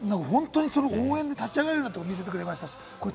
本当にその応援で立ち上がれるというところ見せてくれました。